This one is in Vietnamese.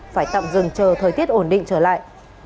phải tạm dừng chờ thời tiết ổn định trở lại